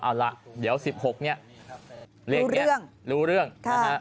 เอาล่ะเดี๋ยวสิบหกเนี้ยเรียกเนี้ยรู้เรื่องรู้เรื่องค่ะ